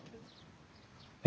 え？